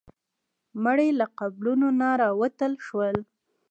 مړي له قبرونو نه راوتل شول.